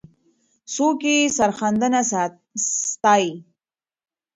څوک یې سرښندنه ستایي؟